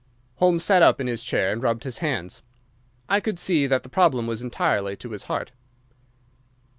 Holmes sat up in his chair and rubbed his hands. I could see that the problem was entirely to his heart.